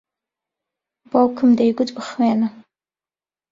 باوکم دەیگوت بخوێنە.